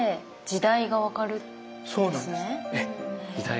時代が分かるんですね。